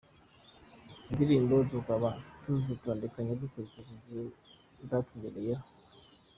Izi ndirimbo tukaba tuzitondekanya dukurikije igihe zatugereyeho.